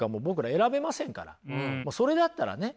それだったらね